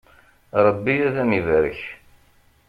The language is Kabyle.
Rebbi ad am-ibarek.